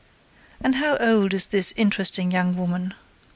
"And how old is this interesting young woman?"